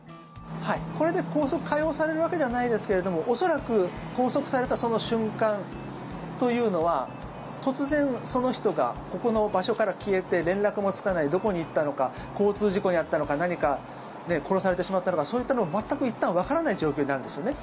はい、これで拘束解放されるわけじゃないですが恐らく拘束されたその瞬間というのは突然、その人がここの場所から消えて連絡もつかないどこに行ったのか交通事故に遭ったのか何か、殺されてしまったのかそういったのは全くいったん、わからない状況になるんですよね。